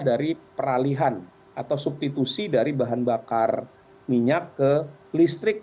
dari peralihan atau substitusi dari bahan bakar minyak ke listrik